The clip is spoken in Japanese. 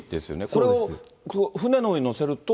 これを船の上に載せると。